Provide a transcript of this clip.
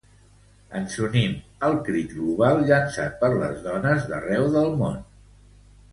Ens unim al crit global, llançat per les dones d’arreu del món.